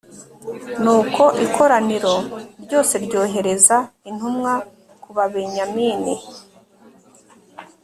nuko ikoraniro ryose ryohereza intumwa ku babenyamini